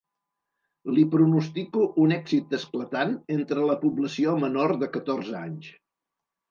Li pronostico un èxit esclatant entre la població menor de catorze anys.